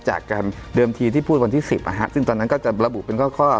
เดิมทีที่พูดวันที่๑๐ซึ่งตอนนั้นก็จะระบุเป็นข้อ